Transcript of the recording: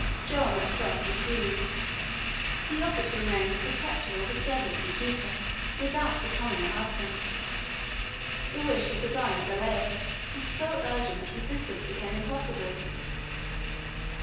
Joam at first refused. He offered to remain the protector or the servant of Yaquita without becoming her husband. The wish of the dying Magalhaës was so urgent that resistance became impossible.